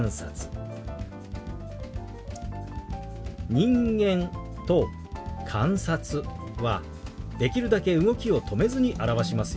「人間」と「観察」はできるだけ動きを止めずに表しますよ。